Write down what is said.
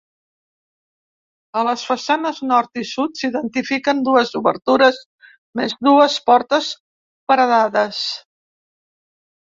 A les façanes nord i sud s'identifiquen dues obertures més, dues portes paredades.